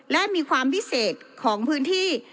และมีความพิเศษของพื้นที่